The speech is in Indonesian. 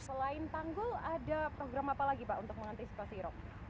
selain tanggul ada program apa lagi pak untuk mengantisipasi rop